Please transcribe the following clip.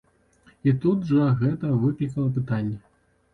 І тут жа гэта выклікала пытанні.